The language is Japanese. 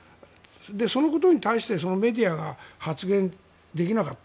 そのことに対してメディアが発言できなかった。